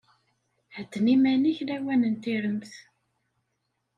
Hedden iman-ik lawan n tiremt.